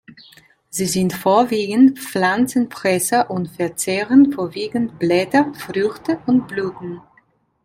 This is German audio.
Sie sind vorwiegend Pflanzenfresser und verzehren vorwiegend Blätter, Früchte und Blüten.